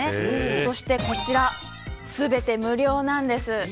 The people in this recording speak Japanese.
そしてこちら全て無料なんです。